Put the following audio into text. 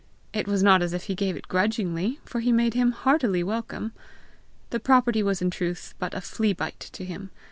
It was not as if he gave it grudgingly, for he made him heartily welcome. The property was in truth but a flea bite to him!